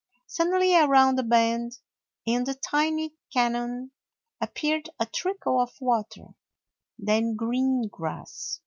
Suddenly around a bend in the tiny canon appeared a trickle of water, then green grass.